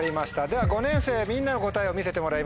では５年生みんなの答えを見せてもらいましょう。